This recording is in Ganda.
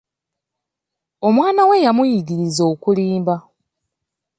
Omwana we yamuyigiriza okulimba!